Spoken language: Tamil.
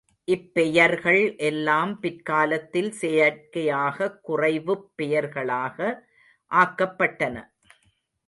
இப்பெயர்கள் எல்லாம் பிற்காலத்தில் செயற்கையாகக் குறைவுப் பெயர்களாக ஆக்கப்பட்டன.